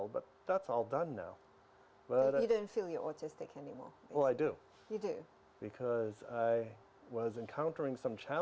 dan itu membuat saya tertanya tanya